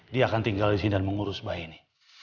dia akan tinggal disini dan mengurus bayi ini